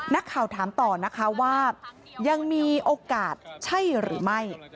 นักข่าวถามต่อนะคะว่ายังมีโอกาสใช่หรือไม่